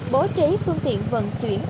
bố trí phương tiện vận chuyển